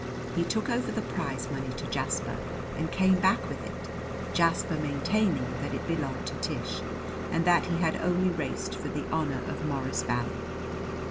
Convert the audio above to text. He took over the prize money to Jasper and came back with it, Jasper maintaining that it belonged to Tish, and that he had only raced for the honor of Morris Valley.